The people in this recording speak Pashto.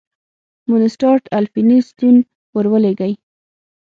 مونسټارټ الفینستون ور ولېږی.